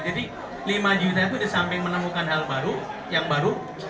jadi lima juta itu di samping menemukan hal baru yang baru